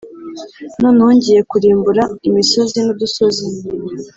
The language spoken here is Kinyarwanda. Noneho ngiye kurimbura imisozi n’udusozi,